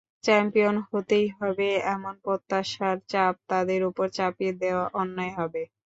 Champion হতেই হবে, এমন প্রত্যাশার চাপ তাদের ওপর চাপিয়ে দেওয়া অন্যায় হবে।